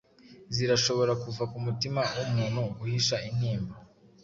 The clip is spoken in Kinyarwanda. zirashobora kuva kumutima wumuntu guhisha intimba.